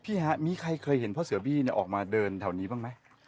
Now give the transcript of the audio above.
ฮะมีใครเคยเห็นพ่อเสือบี้ออกมาเดินแถวนี้บ้างไหม